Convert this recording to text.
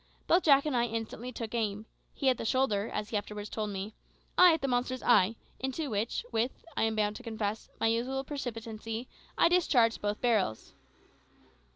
Both Jack and I instantly took aim he at the shoulder, as he afterwards told me; I at the monster's eye, into which, with, I am bound to confess, my usual precipitancy, I discharged both barrels.